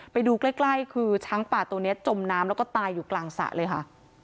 ไปดูใกล้คือช้างป่าตัวนี้จมน้ำแล้วก็ตายอยู่กลางสระเลยค่ะ